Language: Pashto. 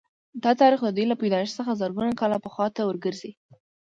دا تاریخ د دوی له پیدایښت څخه زرګونه کاله پخوا ته ورګرځي